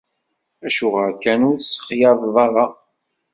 Acuɣer kan ur t-tessexsayeḍ ara?